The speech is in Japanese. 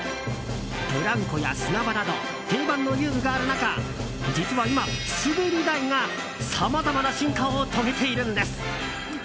ブランコや砂場など定番の遊具がある中実は今、滑り台がさまざまな進化を遂げているんです。